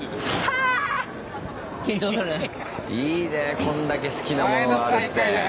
いいねこんだけ好きなものがあるって。